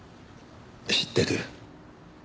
知ってる。